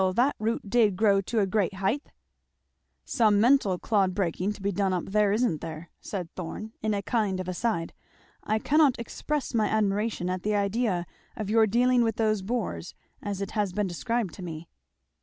that root did grow to a great haigth!'" "Some mental clod breaking to be done up there, isn't there?" said Thorn in a kind of aside. "I cannot express my admiration at the idea of your dealing with those boors, as it has been described to me."